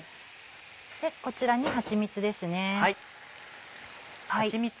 でこちらにはちみつです。